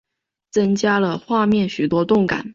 增加了画面许多动感